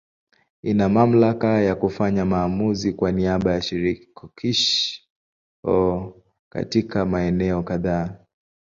Ina mamlaka ya kufanya maamuzi kwa niaba ya Shirikisho katika maeneo kadhaa.